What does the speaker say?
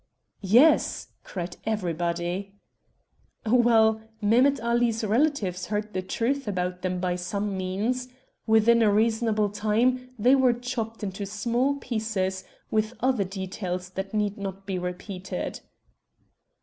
"Yes," cried everybody. "Well, Mehemet Ali's relatives heard the truth about them by some means. Within a reasonable time they were chopped into small pieces, with other details that need not be repeated."